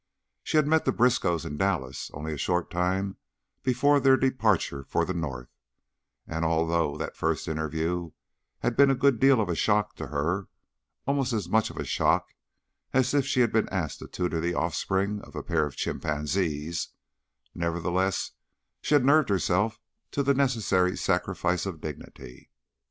She had met the Briskows in Dallas only a short time before their departure for the north, and although that first interview had been a good deal of a shock to her almost as much of a shock as if she had been asked to tutor the offspring of a pair of chimpanzees nevertheless she had nerved herself to the necessary sacrifice of dignity.